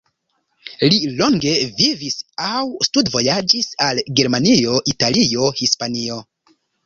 Li longe vivis aŭ studvojaĝis al Germanio, Italio, Hispanio.